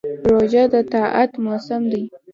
روژه د طاعت موسم دی.